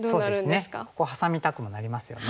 ここハサみたくもなりますよね。